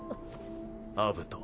アブト。